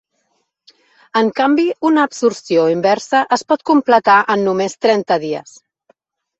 En canvi, una absorció inversa es pot completar en només trenta dies.